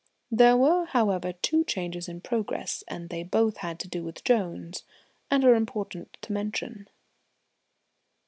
There were, however, two changes in progress, and they both had to do with Jones, and are important to mention.